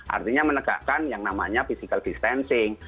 artinya menegakkan yang namanya physical distancing